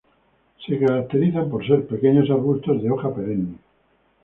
Se caracterizan por ser pequeños arbustos de hoja perenne.